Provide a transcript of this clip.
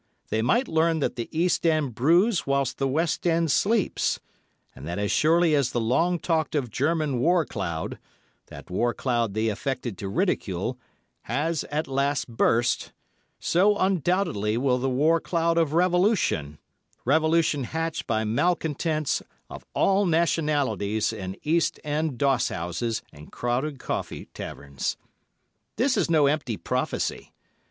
They might learn that the East End brews whilst the West End sleeps, and that as surely as the long talked of German war cloud—that war cloud they affected to ridicule—has at last burst, so undoubtedly will the war cloud of revolution; revolution hatched by malcontents of all nationalities in East End doss houses and crowded coffee taverns. This is no empty prophecy.